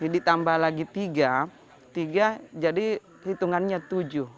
ditambah lagi tiga tiga jadi hitungannya tujuh